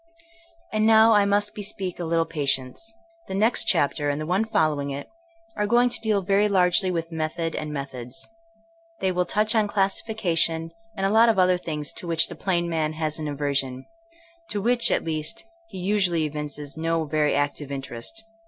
And now I must bespeak a little patience. The next chapter, and the one following it, are going to deal very largely with method and methods. They will touch on classification, and a lot of other things to which the plain man has an aversion; to which, at least, he usually evinces no very active interest.